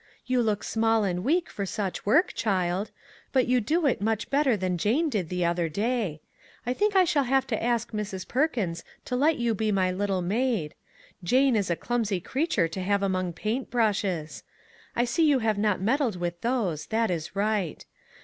" You look small and weak for such work, child ; but you do it much better than Jane did the other day. I think I shall have to ask Mrs. Perkins to let you be my little maid. Jane is a clumsy creature to have among paint brushes. I see you have not med dled with those; that is right.